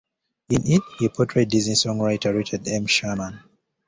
In it, he portrayed Disney songwriter Richard M. Sherman.